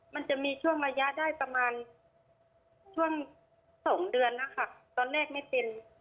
มันจะมีช่วงระยะได้ประมาณช่วง๒เดือนนะคะตอนแรกไม่เป็น